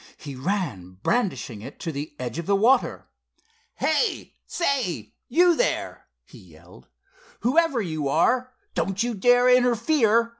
He ran, brandishing it, to the edge of the water. "Hey, say; you there!" he yelled. "Whoever you are, don't you dare to interfere.